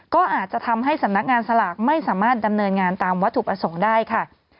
ก็อาจจะทำให้สำนักงานสลากไม่สามารถดำเนินงานตามวัตถุประสงค์ได้ค่ะ